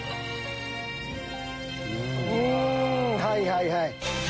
はいはいはい。